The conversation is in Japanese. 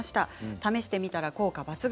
試してみたら効果抜群。